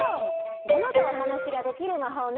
モノとおはなしができるまほうね。